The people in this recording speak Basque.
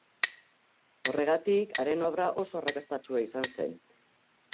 Horregatik, haren obra oso arrakastatsua izan zen.